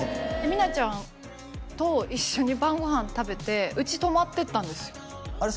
みなちゃんと一緒に晩ご飯食べてうち泊まってったんですよあれ？